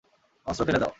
অস্ত্র ফেলে দাও।